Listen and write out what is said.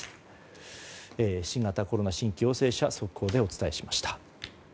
新型コロナ新規陽性者速報でお伝えしました。